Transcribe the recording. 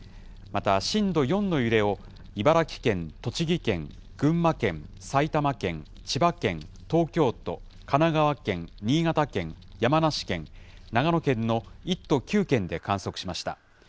また震度４の揺れを茨城県、栃木県、群馬県、埼玉県、千葉県、東京都、神奈川県、新潟県、山梨県、長野県の１都９県で観測しました。